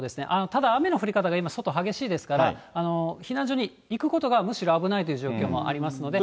ただ、雨の降り方が今、外激しいですから、避難所に行くことがむしろ危ないという状況もありますので。